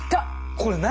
これ何！？